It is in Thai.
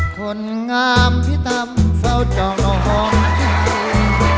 คนงามที่ตามเฝ้าเจ้าหน่อห่อที่ไหน